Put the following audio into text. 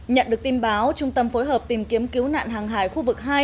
nhận được tin báo trung tâm phối hợp tìm kiếm cứu nạn hàng hải khu vực hai